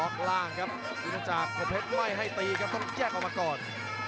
จุฤจักรกบุปริญญาจาบป่าคนไม่ให้ตีครับต้องแยกออกมาก่อน